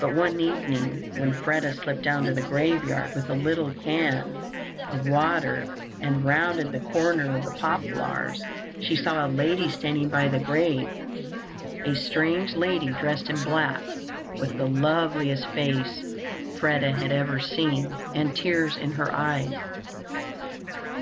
But one evening, when Freda slipped down to the graveyard with a little can of water and rounded the corner of the poplars, she saw a lady standing by the grave—a strange lady dressed in black, with the loveliest face Freda had ever seen, and tears in her eyes.